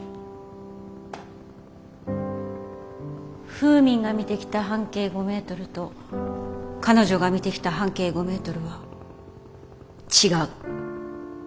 フーミンが見てきた半径５メートルと彼女が見てきた半径５メートルは違う。